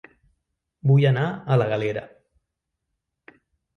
Vull anar a La Galera